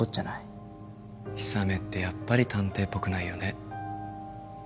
氷雨ってやっぱり探偵っぽくないよね。